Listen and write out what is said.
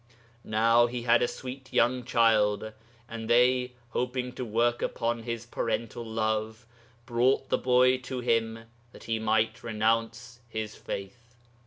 .... Now he had a sweet young child; and they, hoping to work upon his parental love, brought the boy to him that he might renounce his faith.